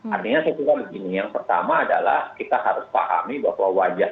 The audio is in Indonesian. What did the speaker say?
artinya saya kira begini yang pertama adalah kita harus pahami bahwa wajah